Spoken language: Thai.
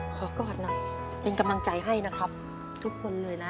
กอดหน่อยเป็นกำลังใจให้นะครับทุกคนเลยนะ